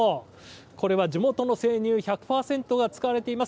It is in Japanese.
これは地元の生乳が１００％使われています。